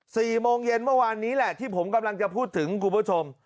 สี่โมงเย็นเมื่อวานนี้แหละที่ผมกำลังจะพูดถึงคุณผู้ชม